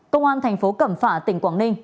công an thành phố cẩm phả tỉnh quảng ninh